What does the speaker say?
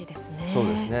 そうですね。